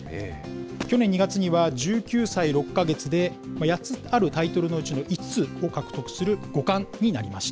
去年２月には１９歳６か月で８つあるタイトルのうちの５つを獲得する五冠になりました。